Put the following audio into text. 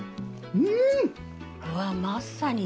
うわまさに。